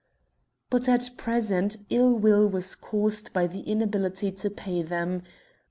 But at present ill will was caused by the inability to pay them.